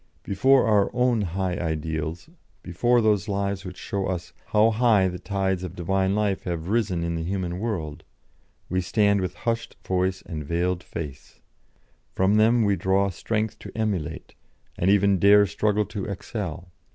Before our own high ideals, before those lives which show us 'how high the tides of Divine life have risen in the human world,' we stand with hushed voice and veiled face; from them we draw strength to emulate, and even dare struggle to excel.